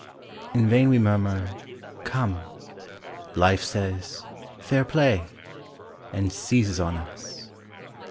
In vain we murmur; "Come," Life says, "Fair play!" And seizes on us.